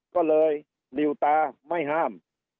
ก็เลยหลิวตาไม่ห้าม